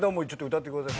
歌ってください。